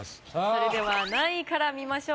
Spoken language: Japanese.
それでは何位から見ましょうか？